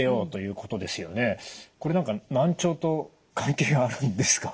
これ何か難聴と関係があるんですか？